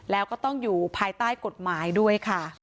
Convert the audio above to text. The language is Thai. แล้วก็ต้องอยู่ภายใต้กฎหมายด้วยค่ะ